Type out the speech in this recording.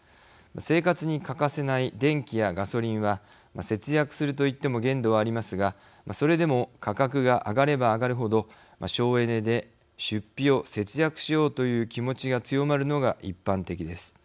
生活に欠かせない電気やガソリンは節約するといっても限度はありますがそれでも価格が上がれば上がるほど省エネで出費を節約しようという気持ちが強まるのが一般的です。